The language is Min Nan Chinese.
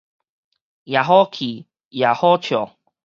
也好氣，也好笑